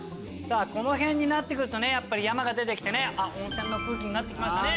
この辺になると山が出て来て温泉の空気になって来ましたね。